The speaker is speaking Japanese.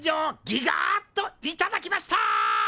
ギガッといただきました！